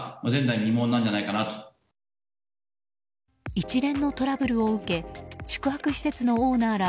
一連のトラブルを受け宿泊施設のオーナーら